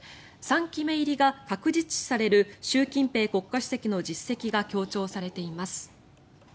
３期目入りが確実視される習近平国家主席の実績が強調されています。